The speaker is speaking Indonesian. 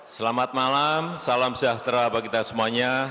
selamat malam salam sejahtera bagi kita semuanya